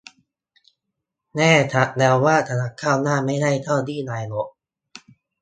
แน่ชัดแล้วว่า คณะก้าวหน้า ไม่ได้เก้าอี้นายก